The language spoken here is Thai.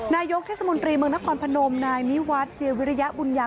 นายกเทศมนตรีเมืองนครพนมนายนิวัฒน์เจียวิริยบุญญา